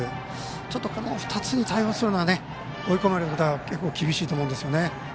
ちょっとこの２つに対応するのは追い込まれると厳しいと思うんですよね。